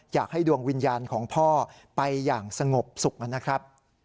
อยากให้ดวงวิญญาณของพ่อไปอย่างสงบสุขนะครับ